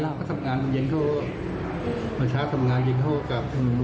ประชาติทำงานเย็นเข้ากับลูกชาย